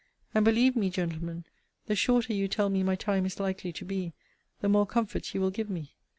and believe me, gentlemen, the shorter you tell me my time is likely to be, the more comfort you will give me.